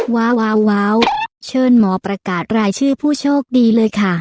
ว้าวเชิญหมอประกาศรายชื่อผู้โชคดีเลยค่ะ